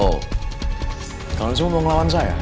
oh kalian semua mau ngelawan saya